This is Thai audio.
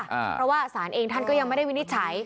เพราะว่าศาลเองท่านก็ยังไม่ได้วินิจฉัย